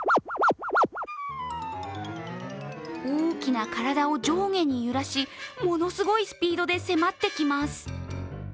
大きな体を上下に揺らしものすごいスピードで迫ってきます。